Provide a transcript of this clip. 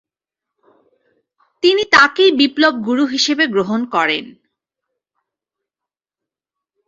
তিনি তাকেই বিপ্লব-গুরু হিসেবে গ্রহণ করেন।